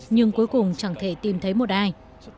nhưng cuối cùng chẳng thể tìm thấy một ai